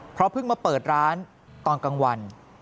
เพราะเพิ่งมาเปิดร้านตอนกลางวัน